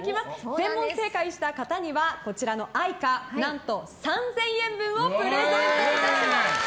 全問正解した方にはこちらのＡｉｃａ何と３０００円分をプレゼントいたします！